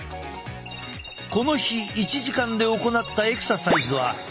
この日１時間で行ったエクササイズは８種類。